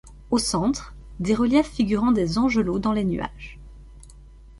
Au centre, des reliefs figurants des angelots dans les nuages.